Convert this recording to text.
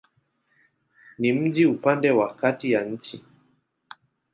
Ni mji upande wa kati ya nchi.